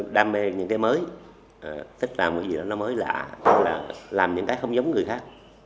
đam mê những cái mới tức là làm những gì đó mới lạ làm những cái không giống người khác